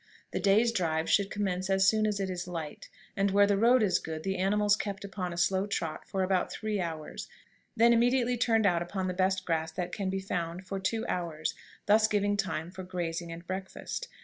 The day's drive should commence as soon as it is light, and, where the road is good, the animals kept upon a slow trot for about three hours, then immediately turned out upon the best grass that can be found for two hours, thus giving time for grazing and breakfast.